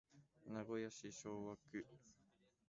名古屋市昭和区